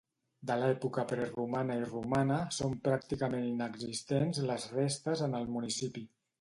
De l'època preromana i romana, són pràcticament inexistents les restes en el municipi.